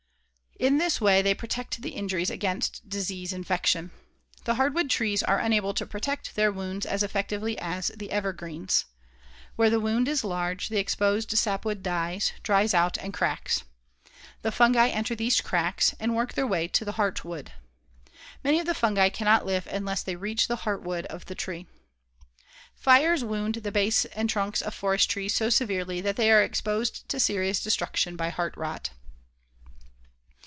In this way they protect the injuries against disease infection. The hardwood trees are unable to protect their wounds as effectively as the evergreens. Where the wound is large, the exposed sapwood dies, dries out, and cracks. The fungi enter these cracks and work their way to the heartwood. Many of the fungi cannot live unless they reach the heartwood of the tree. Fires wound the base and trunks of forest trees severely so that they are exposed to serious destruction by heartrot.